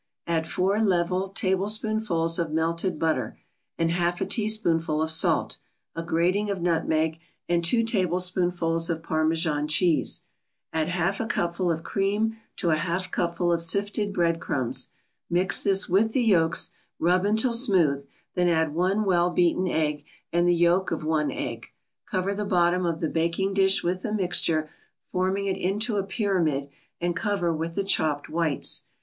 Add four level tablespoonfuls of melted butter, and half a teaspoonful of salt, a grating of nutmeg and two tablespoonfuls of Parmesan cheese. Add half a cupful of cream to a half cupful of sifted bread crumbs. Mix this with the yolks, rub until smooth, then add one well beaten egg, and the yolk of one egg. Cover the bottom of the baking dish with the mixture forming it in a pyramid and cover with the chopped whites.